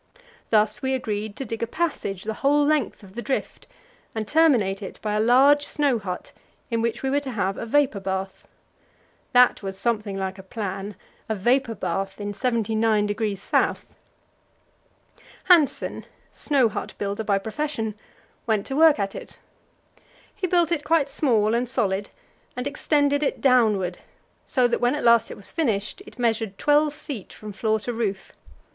Thus we agreed to dig a passage the whole length of the drift, and terminate it by a large snow hut, in which we were to have a vapour bath. That was something like a plan a vapour bath in 79°S. Hanssen, snow hut builder by profession, went to work at it. He built it quite small and solid, and extended it downward, so that, when at last it was finished, it measured 12 feet from floor to roof.